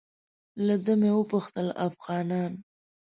له ده مې وپوښتل افغانان.